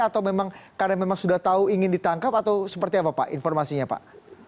atau memang karena memang sudah tahu ingin ditangkap atau seperti apa pak informasinya pak